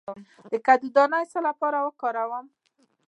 د کدو دانه د څه لپاره وکاروم؟